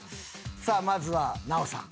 まずは奈緒さん。